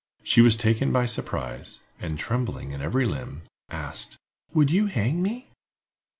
She was taken by surprise, and trembling in every limb, asked: "Would you hang me?"